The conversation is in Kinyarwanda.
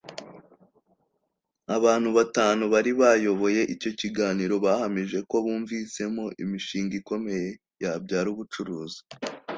abantu batanu bari bayoboye icyo kiganiro bahamije ko bumvisemo imishinga ikomeye yabyara ubucuruzi